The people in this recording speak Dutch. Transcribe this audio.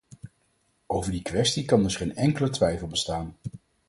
Over die kwestie kan dus geen enkele twijfel bestaan.